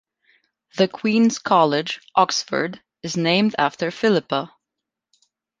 The Queen's College, Oxford is named after Philippa.